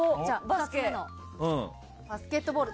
バスケットボール。